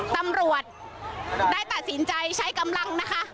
ตำรวจได้ตัดสินใจใช้กำลังนะคะ